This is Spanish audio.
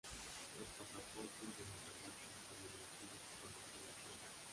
Los pasaportes en Eslovaquia son emitidos por la policía.